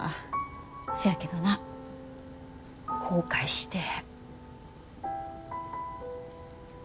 せやけどな後悔してへん。